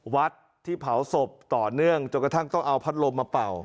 วัดที่เผาศพต่อเนื่องจนกระทั่งต้องเอาพัดลมมาเป่า